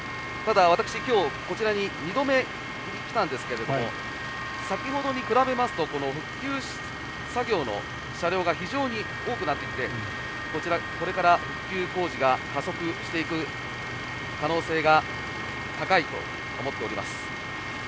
ただ私、今日、こちらに２度目来たんですけれども先ほどに比べますと復旧作業の車両が非常に多くなってきてこれから復旧工事が加速していく可能性が高いと思っております。